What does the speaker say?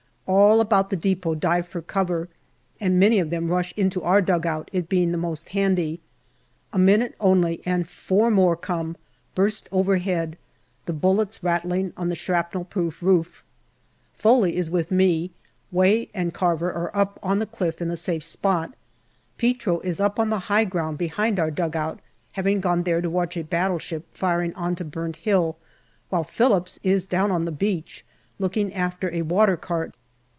All about the depot dive for cover, and many of them rush into our dugout, it being the most handy. A minute only and four more come, burst overhead, the bullets rattling on the shrapnel proof roof. Foley is with me ; Way and Carver are up on the cliff in a safe spot. Petro is up on the high ground behind our dugout, having gone there to watch a battleship firing on to Burnt Hill, while Phillips is down on the beach, looking after a water cart.